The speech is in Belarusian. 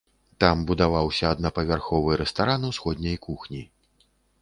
Там будаваўся аднапавярховы рэстаран усходняй кухні.